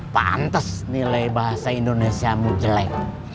pantes nilai bahasa indonesia mu jelek